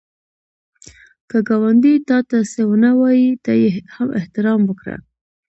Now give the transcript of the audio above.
که ګاونډی تا ته څه ونه وايي، ته یې هم احترام وکړه